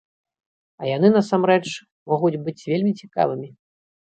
А яны насамрэч могуць быць вельмі цікавымі.